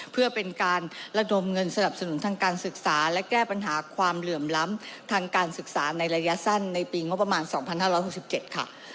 เพื่อเป็นการระดมเงินสนับสนุนทางการศึกษาและแก้ปัญหาความเหลื่อมล้ำทางการศึกษาในระยะสั้นในปีงบประมาณ๒๕๖๗ค่ะ